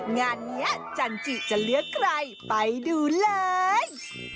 งานนี้จันจิจะเลือกใครไปดูเลย